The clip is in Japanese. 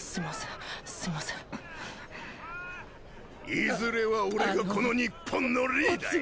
いずれは俺がこの日本のリーダーよ。